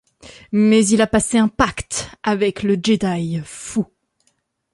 Mais il a passé un pacte avec le Jedi fou.